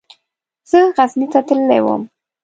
زه غزني ته تللی وم.